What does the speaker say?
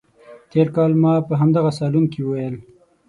تېر کال ما په همدغه صالون کې وویل.